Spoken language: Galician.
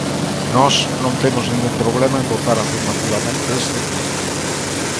Nós non temos ningún problema en votar afirmativamente este punto.